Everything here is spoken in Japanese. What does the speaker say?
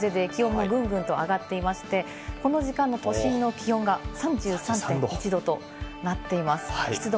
この日差しと南風で気温がぐんぐんと上がっていまして、この時間の都心の気温が３３．１℃となっています。